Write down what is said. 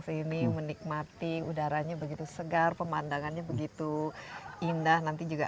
sini menikmati udaranya begitu segar pemandangannya begitu indah nanti juga